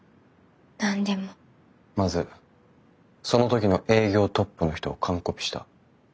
まずその時の営業トップの人を完コピした。